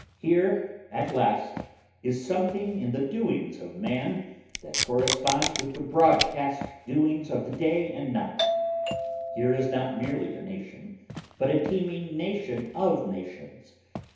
Here at last is something in the doings of man that corresponds with the broadcast doings of the day and night. Here is not merely a nation but a teeming nation of nations.